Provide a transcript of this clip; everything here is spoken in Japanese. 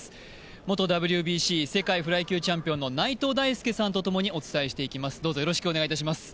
元ＷＢＣ世界フライ級チャンピオンの内藤大助さんとともにお伝えしていきます。